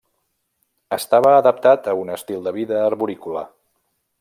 Estava adaptat a un estil de vida arborícola.